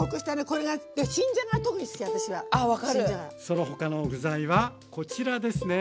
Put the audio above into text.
その他の具材はこちらですね。